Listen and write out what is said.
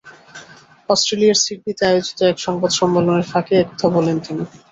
অস্ট্রেলিয়ার সিডনিতে আয়োজিত এক সংবাদ সম্মেলনের ফাঁকে এ কথা বলেন তিনি।